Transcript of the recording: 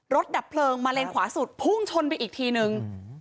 ดับเพลิงมาเลนขวาสุดพุ่งชนไปอีกทีนึง